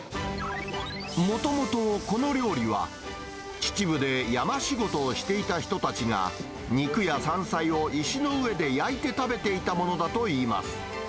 もともとこの料理は、秩父で山仕事をしていた人たちが、肉や山菜を石の上で焼いて食べていたものだといいます。